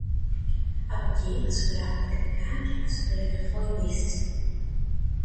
Από κει θα σου γράφω τακτικά και θα σου τηλεγραφώ ειδήσεις του